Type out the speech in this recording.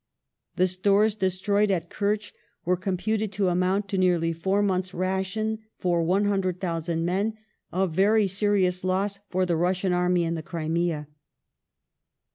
The stores destroyed at Kertch were computed to amount to nearly four months' ration for 100,000 men — a very serious loss for the Russian army in the Crimea.